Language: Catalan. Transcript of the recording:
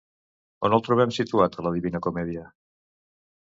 On el trobem situat a la Divina Comèdia?